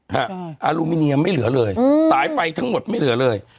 อารมณ์ูมิเนียมไม่เหลือเลยสายไฟทั้งหมดไม่เหลือเลย